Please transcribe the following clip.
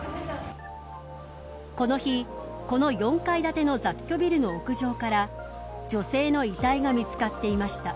この日、この４階建ての雑居ビルの屋上から女性の遺体が見つかっていました。